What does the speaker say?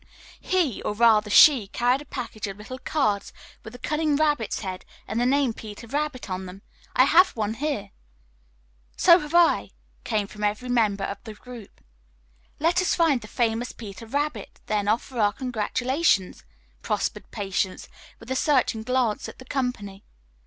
"He, or rather she, carried a package of little cards with a cunning rabbit's head and the name 'Peter Rabbit' on them. I have one here." "So have I," came from every member of the group. "Let us find the famous Peter, then offer our congratulations," proposed Patience, with a searching glance at the company.